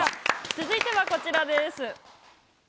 続いてはこちらです。